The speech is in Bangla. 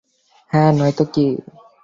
হ্যাঁ, নয়তো কী?